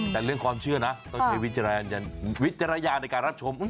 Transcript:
แต่เรื่องความเชื่อนะต้องใช้วิจารณญาณในการรับชม